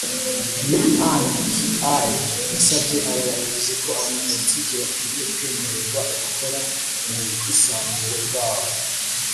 Maina Kiai yasabye aba bayobozi ko abanyapolitiki bakwiriye kwemererwa gukora mu bwisanzure bwa bo